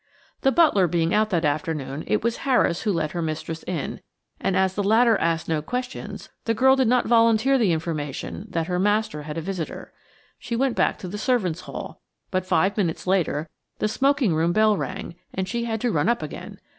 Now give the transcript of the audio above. The butler being out that afternoon it was Harris who let her mistress in, and as the latter asked no questions, the girl did not volunteer the information that her master had a visitor. She went back to the servants' hall, but five minutes later the smoking room bell rang, and she had to run up again.